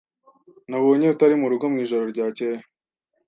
Nabonye utari murugo mwijoro ryakeye.